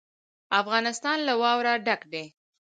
افغانستان له واوره ډک دی.